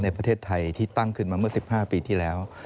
ในประเทศไทยที่ตั้งขึ้นมาเมื่อ๑๕ปีที่แล้ว